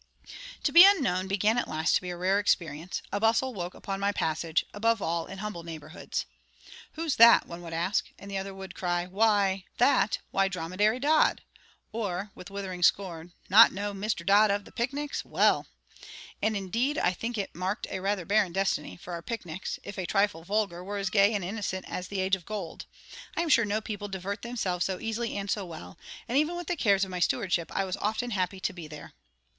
To be unknown began at last to be a rare experience; a bustle woke upon my passage; above all, in humble neighbourhoods. "Who's that?" one would ask, and the other would cry, "That! Why, Dromedary Dodd!" or, with withering scorn, "Not know Mr. Dodd of the Picnics? Well!" and indeed I think it marked a rather barren destiny; for our picnics, if a trifle vulgar, were as gay and innocent as the age of gold; I am sure no people divert themselves so easily and so well: and even with the cares of my stewardship, I was often happy to be there.